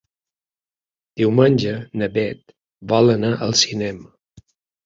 Diumenge na Beth vol anar al cinema.